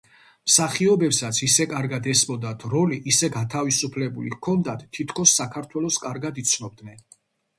მსახიობებსაც ისე კარგად ესმოდათ როლი, ისე გათავისებული ჰქონდათ, თითქოს საქართველოს კარგად იცნობდნენ.